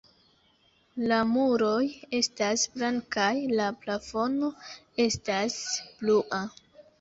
La muroj estas blankaj, la plafono estas blua.